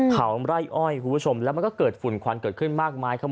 เผาอำไร้อ้อยแล้วมันก็เกิดฝุ่นควันเกิดขึ้นมากมาย